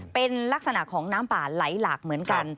เป็นลักษณะของน้ำป่าไหลหลากเหมือนกัน